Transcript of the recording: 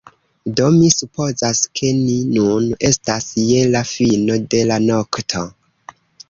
Do, mi supozas ke ni nun estas je la fino de la nokto.